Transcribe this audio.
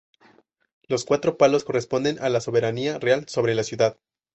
Los cuatro palos corresponden a la soberanía real sobre la ciudad.